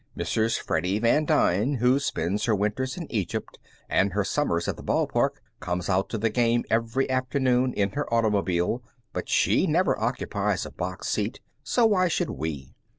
Mrs. Freddy Van Dyne, who spends her winters in Egypt and her summers at the ball park, comes out to the game every afternoon in her automobile, but she never occupies a box seat; so why should we?